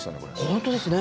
本当ですね。